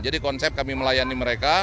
jadi konsep kami melayani mereka